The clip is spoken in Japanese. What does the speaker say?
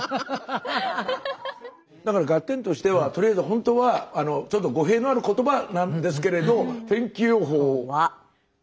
だから「ガッテン！」としてはとりあえずほんとはちょっと語弊のある言葉なんですけれど。